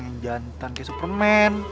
yang jantan kayak superman